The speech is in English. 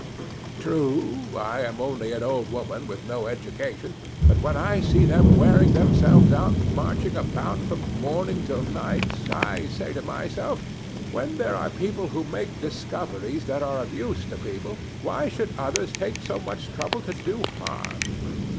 True, I am only an old woman with no education, but when I see them wearing themselves out marching about from morning till night, I say to myself: When there are people who make discoveries that are of use to people, why should others take so much trouble to do harm?